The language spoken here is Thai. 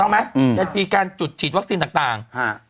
มีการจุดฉีดวัคซีนต่าง